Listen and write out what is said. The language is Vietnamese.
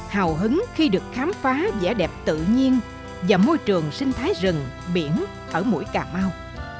hào hứng khi được khám phá vẻ đẹp tự nhiên và môi trường sinh thái rừng biển ở mũi cà mau